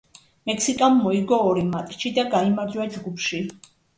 მექსიკამ მოიგო ორი მატჩი და გაიმარჯვა ჯგუფში.